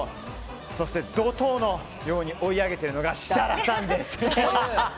そして、怒涛のように追い上げているのがシタラさんです。